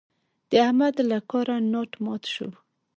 د احمد له کاره ناټ مات شو.